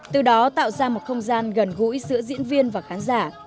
từ đó tạo ra một không gian gần gũi giữa diễn viên và khán giả